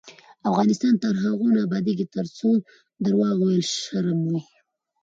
افغانستان تر هغو نه ابادیږي، ترڅو درواغ ویل شرم وي.